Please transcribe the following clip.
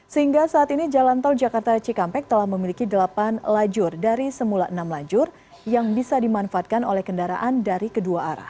sehingga saat ini jalan tol jakarta cikampek telah memiliki delapan lajur dari semula enam lajur yang bisa dimanfaatkan oleh kendaraan dari kedua arah